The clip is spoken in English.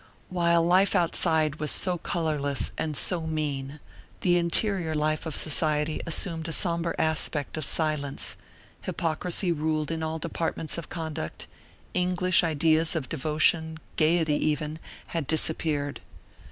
While life outside was so colorless and so mean, the interior life of society assumed a somber aspect of silence; hypocrisy ruled in all departments of conduct; English ideas of devotion, gaiety even, had disappeared.